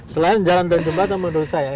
selain jalan dan jembatan menurut saya